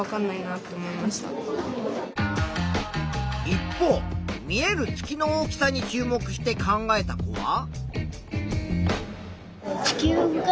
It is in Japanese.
一方見える月の大きさに注目して考えた子は。